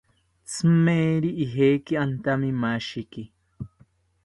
Tzimeri ijeki antamimashiki